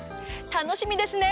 楽しみですね。